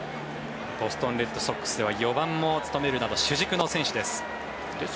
ボストン・レッドソックスでは４番も務めるなど主軸の選手です。